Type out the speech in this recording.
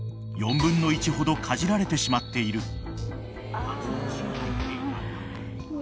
［４分の１ほどかじられてしまっている］